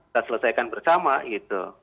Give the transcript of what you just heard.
dan selesaikan bersama gitu